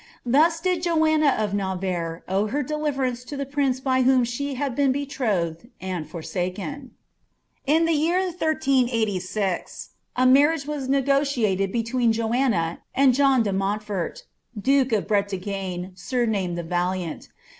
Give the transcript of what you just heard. Thus did Joanna of Navarre owe her deliverance to the prince by whom she had been betrothed and forsaken. In the year 138G, a marriage was negotiated between Joanna and John de Montfort, duke of Bretagne, surnamed the Valiant.